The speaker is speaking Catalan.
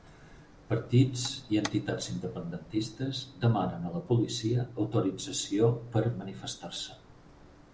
Partits i entitats independentistes demanen a la policia autorització per manifestar-se